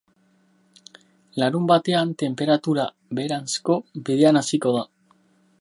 Larunbatean tenperatura beheranzko bidean hasiko da.